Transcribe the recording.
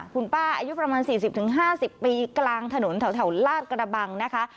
คุณป้าอายุประมาณ๔๐๕๐ปีกลางถนนแถวลาดกระบังนะคะ